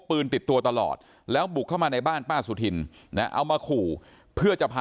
ส่วนนางสุธินนะครับบอกว่าไม่เคยคาดคิดมาก่อนว่าบ้านเนี่ยจะมาถูกภารกิจนะครับ